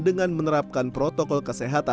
dengan menerapkan protokol kesehatan